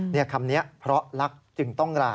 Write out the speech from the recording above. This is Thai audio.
คำนี้เพราะรักจึงต้องลา